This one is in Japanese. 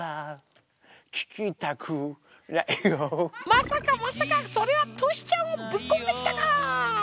まさかまさかそれはトシちゃんもぶっこんできたか！